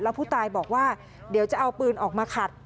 ผู้ตายบอกว่าเดี๋ยวจะเอาปืนออกมาขัด